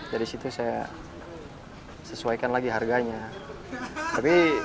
dari situ saya sesuaikan lagi harganya